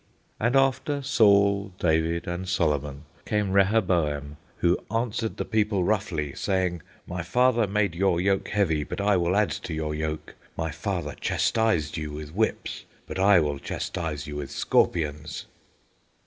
And after Saul, David, and Solomon, came Rehoboam, who "answered the people roughly, saying: My father made your yoke heavy, but I will add to your yoke; my father chastised you with whips, but I will chastise you with scorpions."